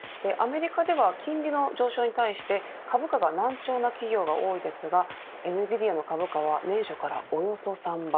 アメリカでは金利の上昇に対して株価が軟調な企業が多いですがエヌビディアの株価は年初からおよそ３倍。